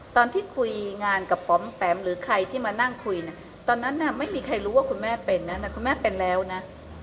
ตอนที่คุยงานกับป๋อมแปมหรือใครที่มานั่งคุยเนี่ยตอนนั้นไม่มีใครรู้ว่าคุณแม่เป็นนะคุณแม่เป็นแล้วนะ